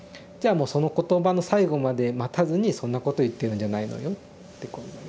その言葉の最後まで待たずに「そんなこと言ってるんじゃないのよ」ってこう。